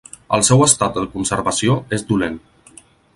El seu estat de conservació és dolent.